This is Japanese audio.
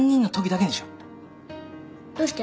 どうして？